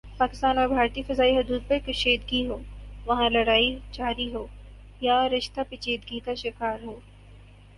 پاکستان اور بھارتی فضائی حدود پر کشیدگی ہو وہاں لڑائی جاری ہوں یا رشتہ پیچیدگی کا شکار ہوں